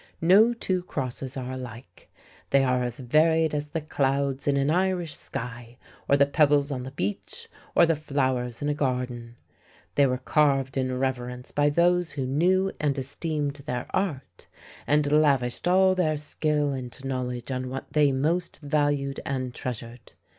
No two crosses are alike; they are as varied as the clouds in an Irish sky or the pebbles on the beach or the flowers in a garden. They were carved in reverence by those who knew and esteemed their art, and lavished all their skill and knowledge on what they most valued and treasured.